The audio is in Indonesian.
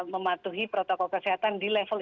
mematuhi protokol kesehatan di level